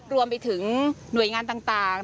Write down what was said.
รวมไปถึงหน่วยงานต่าง